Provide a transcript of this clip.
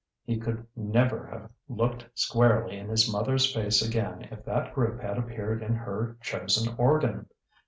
He could never have looked squarely in his mother's face again if that group had appeared in her chosen organ!